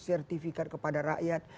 bisa dia sertifikat kepada rakyat